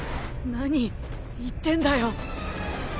何言ってんだよ？